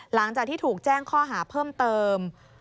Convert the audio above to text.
หลังจากที่ถูกแจ้งข้อหาเพิ่มเติม